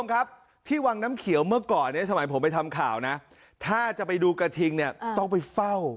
ครับที่วังน้ำเขียวเมื่อก่อนเนี่ยสมัยผมไปทำข่าวนะถ้าจะไปดูกระทิงเนี่ยต้องไปเฝ้า